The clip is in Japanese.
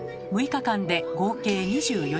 ６日間で合計２４時間。